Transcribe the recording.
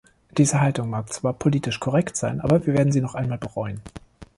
Diese Haltung mag zwar politisch korrekt sein, aber wir werden sie noch einmal bereuen.